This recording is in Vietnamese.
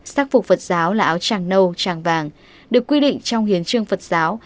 sắc phục phật giáo là áo tràng nâu tràng vàng được quy định trong hiến trương phật giáo